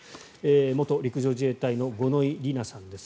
元陸上自衛隊の五ノ井里奈さんです。